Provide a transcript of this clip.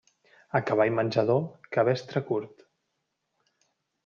A cavall menjador, cabestre curt.